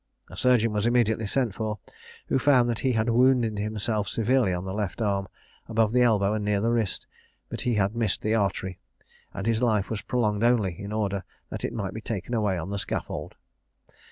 A surgeon was immediately sent for, who found that he had wounded himself severely on the left arm, above the elbow and near the wrist, but he had missed the artery, and his life was prolonged only in order that it might be taken away on the scaffold.